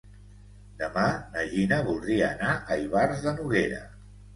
Demà na Gina voldria anar a Ivars de Noguera.